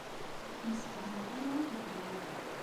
Ur ttemsefhameɣ ara nekk d baba.